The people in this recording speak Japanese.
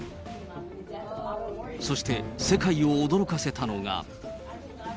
そして世界を驚かせたのが。